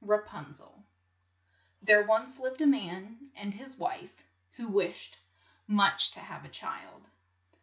RAPUNZEL THERE lived once a man and his wife who wished much to have a child.